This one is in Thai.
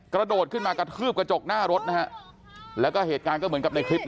กระโดดขึ้นมากระทืบกระจกหน้ารถนะครับ